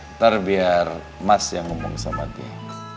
ntar biar mas yang ngomong sama dia